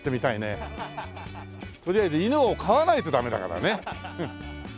とりあえず犬を飼わないとダメだからね。